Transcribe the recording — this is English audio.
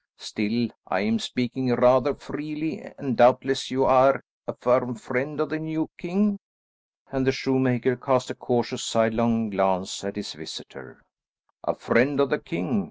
Still, I am speaking rather freely, and doubtless you are a firm friend of the new king?" and the shoemaker cast a cautious sidelong glance at his visitor. "A friend of the king?